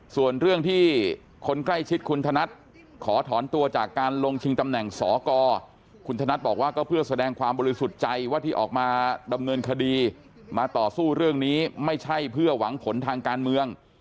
ส่วนเรื่องที่คนใกล้ชิดคุณธนัดขอถอนตัวจากการลงชิงตำแหน่งสกคุณธนัดบอกว่าก็เพื่อแสดงความบริสุทธิ์ใจว่าที่ออกมาดำเนินคดีมาต่อสู้เรื่องนี้ไม่ใช่เพื่อหวังผลทางการเมือง